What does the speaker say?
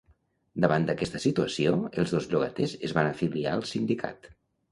Davant d’aquesta situació, els dos llogaters es van afiliar al sindicat.